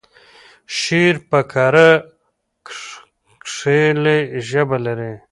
شعر په کره کېښکلې ژبه لري.